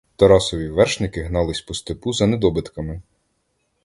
Тарасові вершники гнались по степу за недобитками.